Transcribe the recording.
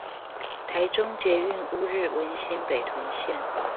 台中捷運烏日文心北屯線